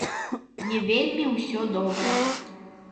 Не вельмі ўсё добра.